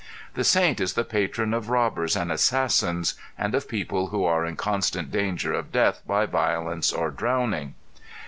This saint is the patron of robbers and assassins, and of people who are in constant danger of death by violence or drowning.